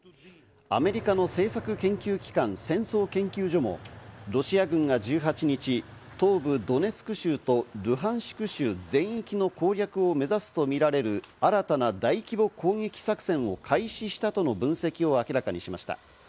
アメリカの政策研究機関・戦争研究所もロシア軍が１８日、東部ドネツク州とルハンシク州全域の攻略を目指すとみられる新たな大規模攻撃作戦を開始したとの分析を明らかにしました。